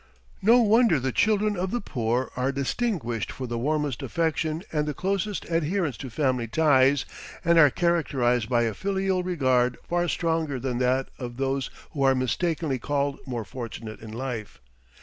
No wonder the children of the poor are distinguished for the warmest affection and the closest adherence to family ties and are characterized by a filial regard far stronger than that of those who are mistakenly called more fortunate in life.